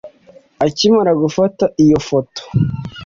Akimara gufata iyo foto